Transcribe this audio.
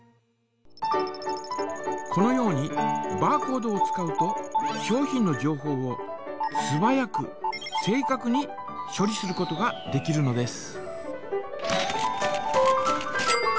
このようにバーコードを使うと商品の情報をすばやく正かくにしょ理することができるのです。